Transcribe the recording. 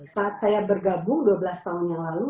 saat saya bergabung dua belas tahun yang lalu